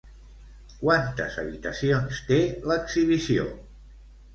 Quantes habitacions té l'exhibició?